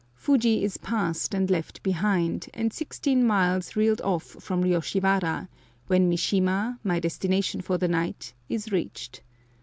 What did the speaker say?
Fuji is passed and left behind, and sixteen miles reeled off from Yoshiwara, when Mishima, my destination for the night, is reached.